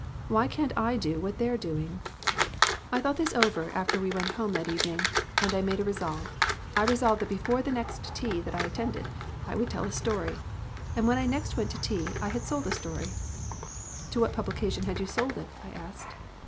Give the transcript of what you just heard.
Why can't I do what they're doing?' "I thought this over after we went home that evening. And I made a resolve. I resolved that before the next tea that I attended I would tell a story. And when I next went to a tea I had sold a story." "To what publication had you sold it?" I asked.